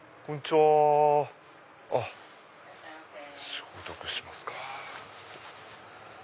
消毒しますか。